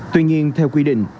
tuy nhiên theo quy định